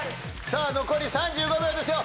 さあ残り３５秒ですよ。